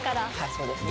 そうですね。